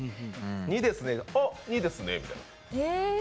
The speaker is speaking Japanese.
２ですね、あっ、２ですねみたいな。